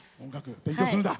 勉強するんだ。